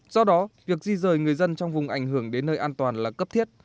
do đó việc di rời người dân trong vùng ảnh hưởng đến nơi an toàn là cấp thiết